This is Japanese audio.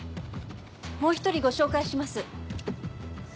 もう一人ご紹介します。